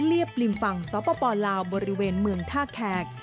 เรียบริมฝั่งสปลาวบริเวณเมืองท่าแขก